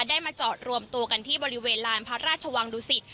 ได้มาจอดรวมตัวกันที่บริเวณลานพระราชวังดุสิต